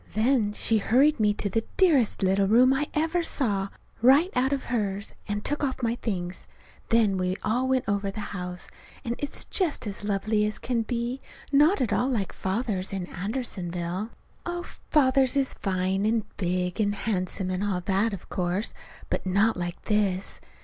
Then she hurried me to the dearest little room I ever saw, right out of hers, and took off my things. Then we went all over the house. And it's just as lovely as can be not at all like Father's in Andersonville. Oh, Father's is fine and big and handsome, and all that, of course; but not like this.